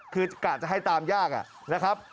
คือกะจะให้ตามยากนะครับ